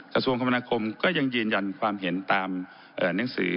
กระทรวงคมนาคมก็ยังยืนยันความเห็นตามหนังสือ